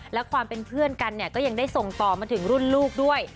และความเป็นเพื่อนกันเนี่ยก็ยังได้ส่งต่อมาถึงรุ่นลูกด้วย